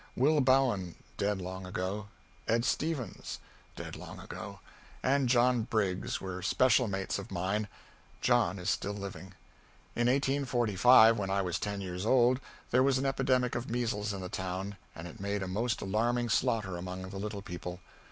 Will Bowen (dead long ago), Ed Stevens (dead long ago) and John Briggs were special mates of mine. John is still living. [Sidenote: (1845.)] In 1845, when I was ten years old, there was an epidemic of measles in the town and it made a most alarming slaughter among the little people.